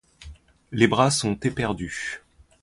Les bras sont éperdus.